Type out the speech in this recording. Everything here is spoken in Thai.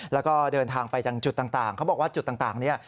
แล้วก็เดินทางไปยังจุดต่างเขาบอกว่าจุดต่างเนี่ย